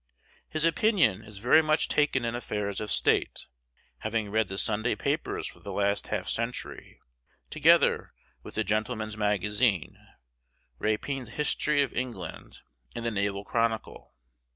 His opinion is very much taken in affairs of state, having read the Sunday papers for the last half century, together with the Gentleman's Magazine, Rapin's History of England, and the Naval Chronicle.